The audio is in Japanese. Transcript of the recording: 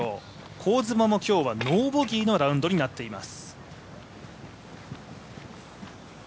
香妻も今日はノーボギーのラウンドになっています。